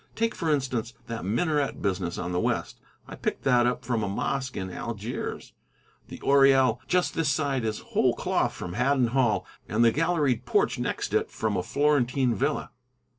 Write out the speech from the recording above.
Take, for instance, that minaret business on the west; I picked that up from a mosque in Algiers. The oriel just this side is whole cloth from Haddon Hall, and the galleried porch next it from a Florentine villa.